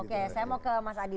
oke saya mau ke mas adi